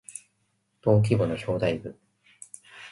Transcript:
登記簿の表題部